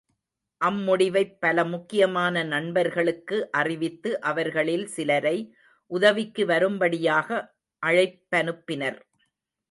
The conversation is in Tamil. அம்முடிவைப் பலமுக்கியமான நண்பர்களுக்கு அறிவித்து அவர்களில் சிலரை உதவிக்கு வரும்படியாக அழைப்பனுப்பினர்.